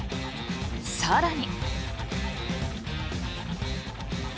更に。